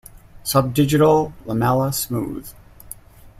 Subdigital lamella smooth.